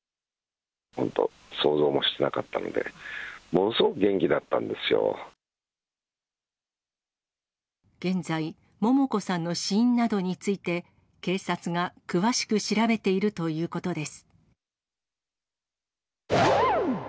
本当、想像もしてなかったので、現在、桃子さんの死因などについて、警察が詳しく調べているということです。